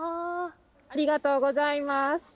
ありがとうございます。